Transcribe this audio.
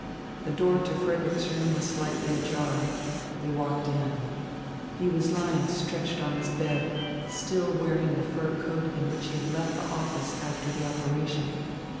The door to Frederick's room was slightly ajar. They walked in. He was lying stretched on his bed, still wearing the fur coat in which he had left the office after the operation.